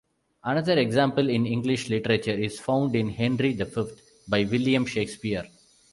Another example in English literature is found in "Henry the Fifth" by William Shakespeare.